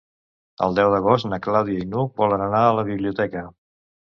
El deu d'agost na Clàudia i n'Hug volen anar a la biblioteca.